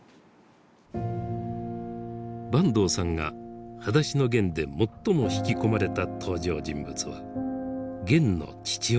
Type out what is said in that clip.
坂東さんが「はだしのゲン」で最も引き込まれた登場人物はゲンの父親。